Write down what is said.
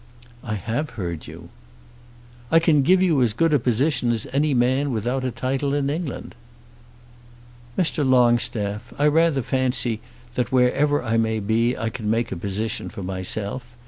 "I have heard you." "I can give you as good a position as any man without a title in England." "Mr. Longstaff, I rather fancy that wherever I may be I can make a position for myself.